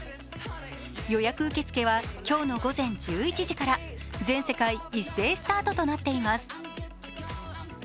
予約受付は今日の午前１１時から全世界一斉スタートとなっています。